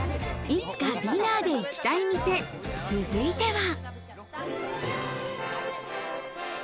いつかディナーで行きたい店、続いては。